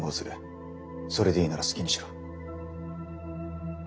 それでいいなら好きにしろ。